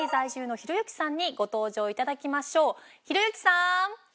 ひろゆきさん。